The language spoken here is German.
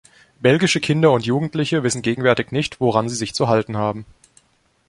Belgische Kinder und Jugendliche wissen gegenwärtig nicht, woran sie sich zu halten haben.